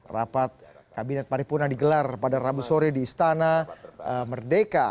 rapat kabinet paripurna digelar pada rabu sore di istana merdeka